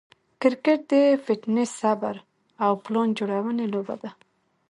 کرکټ د فټنس، صبر، او پلان جوړوني لوبه ده.